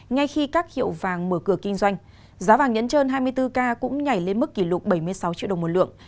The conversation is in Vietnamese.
ngay khi các hiệu vàng mở cửa kinh doanh giá vàng nhẫn trơn hai mươi bốn k cũng nhảy lên mức kỷ lục bảy mươi sáu triệu đồng một lượng